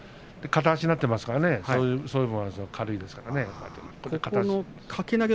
片足になっていますからその分、軽いんですからね。